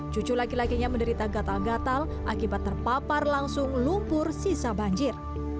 cucu laki lakinya menderita gatal gatal akibat terpapar langsung lumpur sisa banjir